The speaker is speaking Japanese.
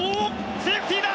セーフティーだ！